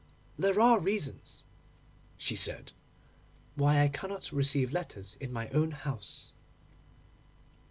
"There are reasons," she said, "why I cannot receive letters in my own house."